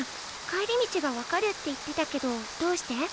帰り道が分かるって言ってたけどどうして？